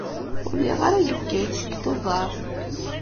Ur lliɣ ara deg Bgayet seg Tubeṛ.